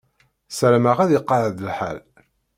Sarameɣ ad iqeεεed lḥal.